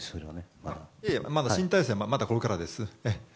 新体制はまだこれからです。